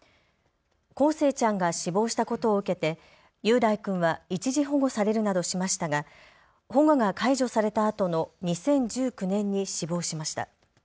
康生ちゃんが死亡したことを受けて雄大君は一時保護されるなどしましたが保護が解除されたあとの２０１９年に死亡しました。